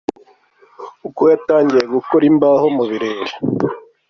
Uko yatangiye gukora imbaho mu birere .